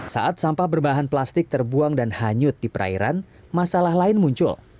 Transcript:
saat sampah berbahan plastik terbuang dan hanyut di perairan masalah lain muncul